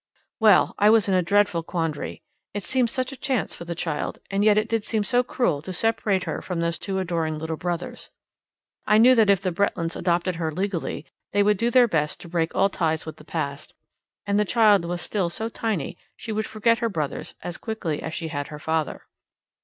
Well, I was in a dreadful quandary. It seemed such a chance for the child, and yet it did seem so cruel to separate her from those two adoring little brothers. I knew that if the Bretlands adopted her legally, they would do their best to break all ties with the past, and the child was still so tiny she would forget her brothers as quickly as she had her father.